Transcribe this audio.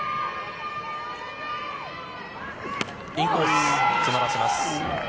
インコースで詰まらせます。